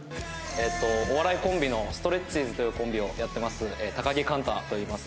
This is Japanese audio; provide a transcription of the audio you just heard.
お笑いコンビのストレッチーズというコンビをやってます高木貫太といいます。